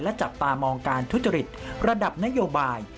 และจับตามองการทุจริตระดับนโยบาย